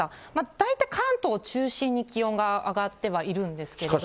大体関東中心に気温が上がってはいるんですけれども。